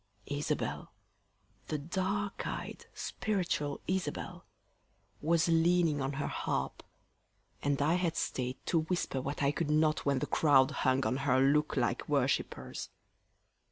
Isabel, The dark eyed, spiritual Isabel Was leaning on her harp, and I had stay'd To whisper what I could not when the crowd Hung on her look like worshipers.